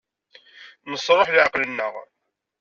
Nesṛuḥ leɛqel-nneɣ.